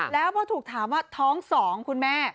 แล้วพอถูกถามว่าท้อง๒คุณแม่